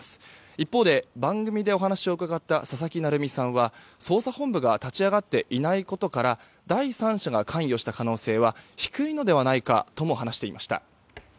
一方で番組でお話を伺った佐々木成三さんは捜査本部が立ち上がっていないことから第三者が関与した可能性は低いのではないのではないかとも話していました。